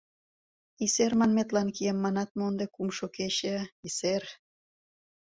Исер манметлан кием манат мо ынде кумшо кече, исер?!